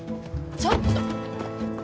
ちょっと！